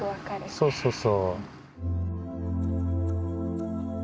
そうそうそう。